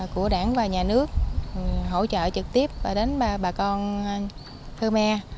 của đảng và nhà nước hỗ trợ trực tiếp đến bà con khơ me